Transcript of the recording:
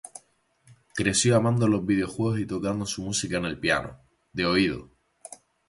Creció amando los videojuegos y tocando su música en el piano, de oído.